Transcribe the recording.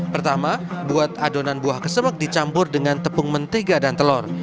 pertama buat adonan buah kesemak dicampur dengan tepung mentega dan telur